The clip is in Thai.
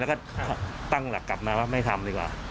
แล้วก็ตั้งหลักกลับมาว่าไม่ทำดีกว่า